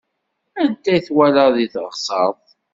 Anta i twalaḍ deg teɣseṛt?